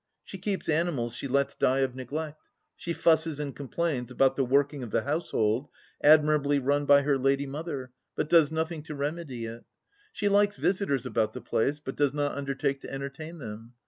She keeps animals she lets die of neglect ; she fusses and complains about the working of the household, admirably run by her lady mother, but does nothing to remedy it. She likes visitors about the place, but does not undertake to entertain them.